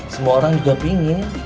semua orang juga pingin